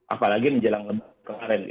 apalagi menjelang kemarin